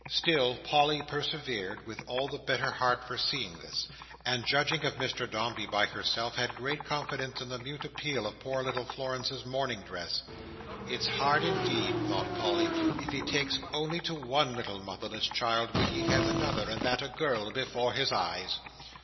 Still, Polly persevered with all the better heart for seeing this; and, judging of Mr Dombey by herself, had great confidence in the mute appeal of poor little Florence's mourning dress. "It's hard indeed," thought Polly, "if he takes only to one little motherless child, when he has another, and that a girl, before his eyes."